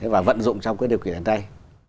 và vận dụng trong cái điều kiện này